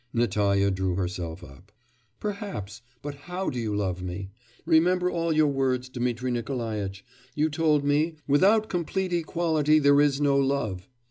Natalya drew herself up. 'Perhaps; but how do you love me? Remember all your words, Dmitri Nikolaitch. You told me: "Without complete equality there is no love."...